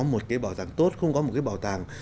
một cái bảo tàng tốt không có một cái bảo tàng